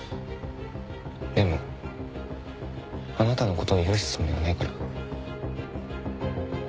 でもあなたの事を許すつもりはないから。